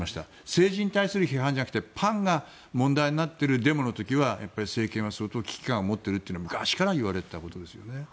政治に対する批判じゃなくパンが問題になっているデモの時は政権は相当危機感を持っているというのは昔から言われていたことです。